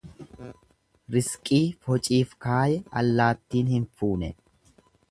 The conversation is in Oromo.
Risqii fociif kaaye allaattiin hin fuune.